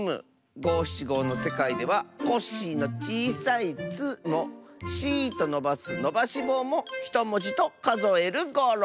ごしちごのせかいでは「コッシー」のちいさい「ッ」も「シー」とのばすのばしぼうも１もじとかぞえるゴロ！